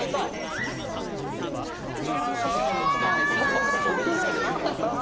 パパスゴくないですか？